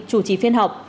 chủ trì phiên họp